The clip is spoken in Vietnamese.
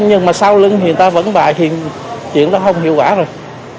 nhưng mà sau lưng người ta vẫn bài thì chuyện đó không hiệu quả rồi